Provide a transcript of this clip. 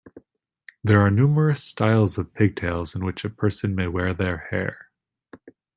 There are numerous styles of pigtails in which a person may wear their hair.